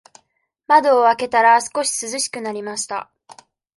窓を開けたら、少し涼しくなりました。